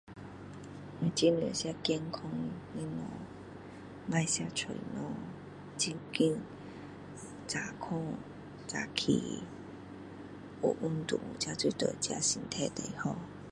尽量吃健康的东西不要吃零食早睡早起有运动这对身体都是好的